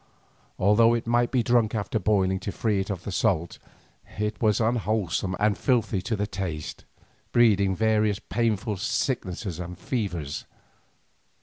Although it might be drunk after boiling to free it of the salt, it was unwholesome and filthy to the taste, breeding various painful sicknesses and fevers.